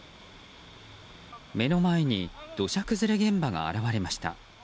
目の前に土砂崩れ現場が現れました。